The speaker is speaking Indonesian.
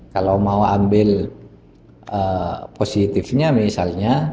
kalau mau ambil positifnya misalnya